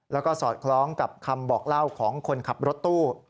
แล้วก็สอดคล้องกับคำบอกเล่าของคนขับรถตู้